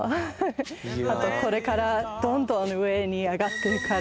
あと、これからどんどん上に上がっていくから。